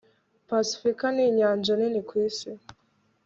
pasifika ninyanja nini kwisi